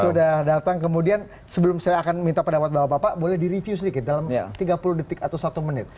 sudah datang kemudian sebelum saya akan minta pendapat bapak bapak boleh direview sedikit dalam tiga puluh detik atau satu menit